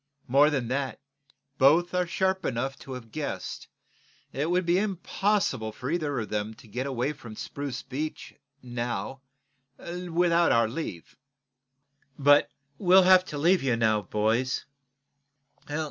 More than that, both are sharp enough to have guessed that it would be impossible for either of them to get away from Spruce Beach, now, without our leave. But we'll have to leave you, now, boys.